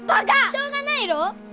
しょうがないろう！